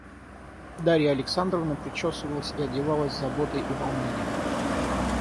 Дарья Александровна причесывалась и одевалась с заботой и волнением.